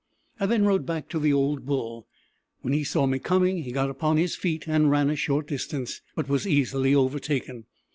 I then rode back to the old bull. When he saw me coming he got upon his feet and ran a short distance, but was easily overtaken.